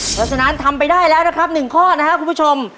เพราะฉะนั้นทำไปได้แล้วนะครับ๑ข้อนะครับคุณผู้ชม